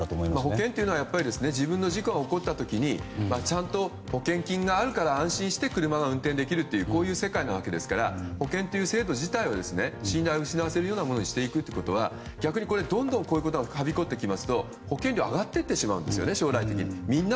保険というのは自分の事故が起こった時にちゃんと保険金があるから安心して車の運転ができるという世界なわけですから保険という制度自体の信頼を失わせるようなものにしていくということは逆にどんどんこういうことがはびこってしまうと保険料上がっていってしまうんですよね、将来的に。